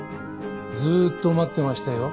ずっと待ってましたよ